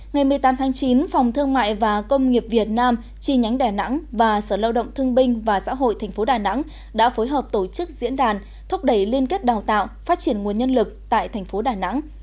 ngày một mươi tám tháng chín phòng thương mại và công nghiệp việt nam chi nhánh đà nẵng và sở lao động thương binh và xã hội tp đà nẵng đã phối hợp tổ chức diễn đàn thúc đẩy liên kết đào tạo phát triển nguồn nhân lực tại thành phố đà nẵng